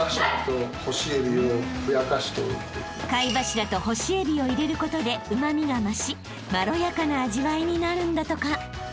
［貝柱と干しエビを入れることでうま味が増しまろやかな味わいになるんだとか］